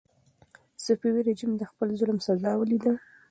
صفوي رژیم د خپل ظلم سزا ولیده.